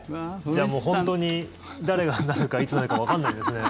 じゃあ本当に、誰がなるかいつなるかわかんないんですね。